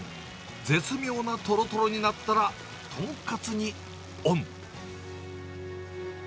絶妙なとろとろになったら、豚カツにオン。